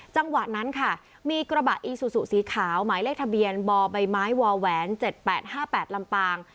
จังหวะนั้นค่ะมีกระบะอีซูซูสีขาวหมายเลขทะเบียนบใบไม้วแหวน๗๘๕๘ลำปาง